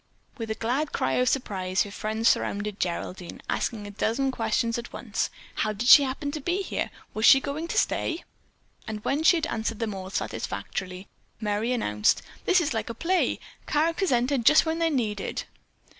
With a glad cry of surprise her friends surrounded Geraldine, asking a dozen questions at once. How did she happen to be there? Was she going to stay? And when she had answered them all satisfactorily, Merry announced: "This is like a play. Characters enter just when they're needed."